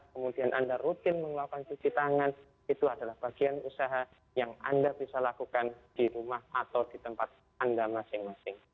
kemudian anda rutin mengeluarkan cuci tangan itu adalah bagian usaha yang anda bisa lakukan di rumah atau di tempat anda masing masing